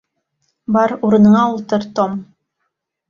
Бар, урыныңа ултыр, Том.